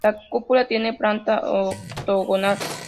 La cúpula tiene planta octogonal.